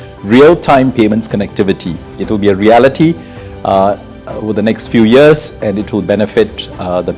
ini akan menjadi sebuah realitasi dalam beberapa tahun yang akan datang dan akan memanfaatkan orang asia dengan sangat besar